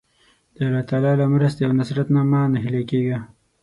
د الله تعالی له مرستې او نصرت نه مه ناهیلی کېږه.